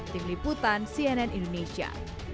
tim liputan cnn indonesia